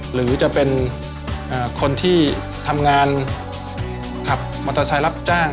หรือจะเป็นคนที่ทำงานขับมอเตอร์ไซค์รับจ้าง